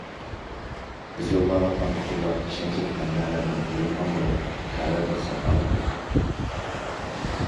بىز يوللاۋاتقان ئۇچۇرلار ئىشەنچلىك مەنبەلەردىن ئېلىنغان بولۇپ، خەۋەردە خاتالىق يوق.